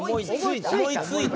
思いついた。